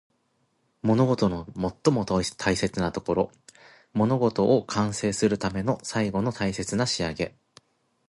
物事の最も大切なところ。物事を完成するための最後の大切な仕上げ。